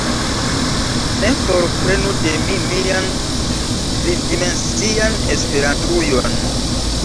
Ne forprenu de mi mian tri-dimensian Esperantujon!